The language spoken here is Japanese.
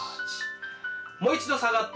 もう一度下がって。